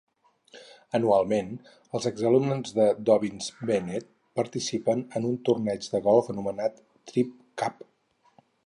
Anualment, els ex-alumnes de Dobyns-Bennett participen en un torneig de golf anomenat "Tribe Cup".